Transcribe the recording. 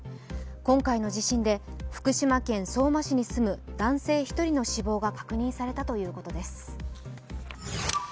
今回の地震で福島県相馬市に住む男性１人の死亡が確認されたということです。